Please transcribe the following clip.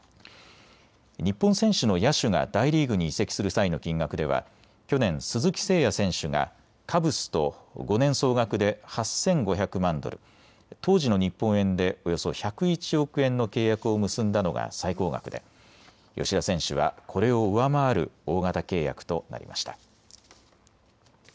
日本選手の野手が大リーグに移籍する際の金額では去年、鈴木誠也選手がカブスと５年総額で８５００万ドル、当時の日本円でおよそ１０１億円の契約を結んだのが最高額で吉田選手はこれを上回る大型契約となりました。